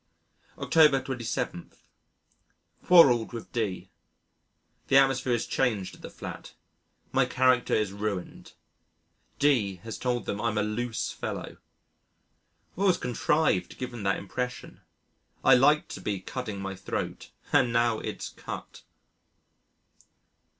October 27. Quarrelled with D ! The atmosphere is changed at the flat my character is ruined. D has told them I'm a loose fellow. I've always contrived to give him that impression I liked to be cutting my throat and now it's cut!